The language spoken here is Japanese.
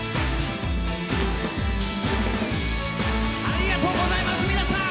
ありがとうございます皆さん。